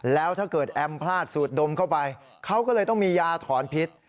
แล้วถ้าเกิดแอมพลาดสูดดมเข้าไปเขาก็เลยต้องมียาถอนพิษ